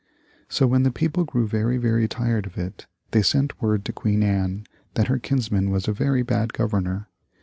So when the people grew very, very tired of it, they sent word to Queen Anne that her kinsman was a very bad Governor.